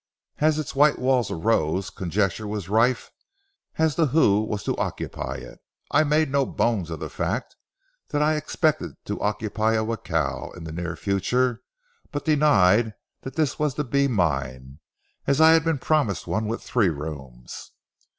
As its white walls arose conjecture was rife as to who was to occupy it. I made no bones of the fact that I expected to occupy a jacal in the near future, but denied that this was to be mine, as I had been promised one with three rooms.